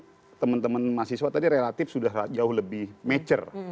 karena proses berjalan ini teman teman mahasiswa tadi relatif sudah jauh lebih mature